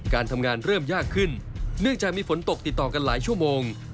การทำงานเริ่มยากขึ้นเนื่องจากมีฝนตกติดต่อกันหลายชั่วโมง